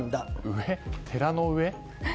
上寺の上？